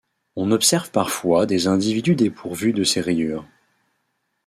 On observe parfois des individus dépourvus de ces rayures.